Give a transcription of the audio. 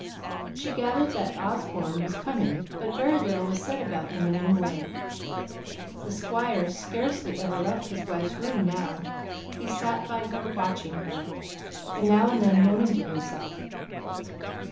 She gathered that Osborne was coming; but very little was said about him in any way. The Squire scarcely ever left his wife's room; he sat by her, watching her, and now and then moaning to himself.